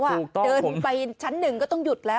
เดินไปชั้นหนึ่งก็ต้องหยุดแล้ว